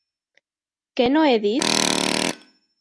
Què no he dit?